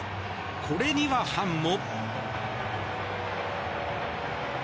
これには、ファンも。